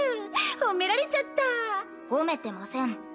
褒められちゃった褒めてません。